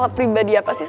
tapi dia mau ikut